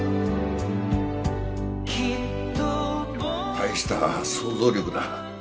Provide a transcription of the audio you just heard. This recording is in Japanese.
大した想像力だ。